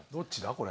これ。